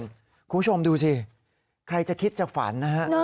คุณผู้ชมดูสิใครจะคิดจะฝันนะฮะ